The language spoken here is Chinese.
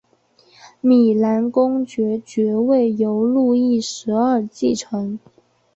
米兰公爵爵位由路易十二继承。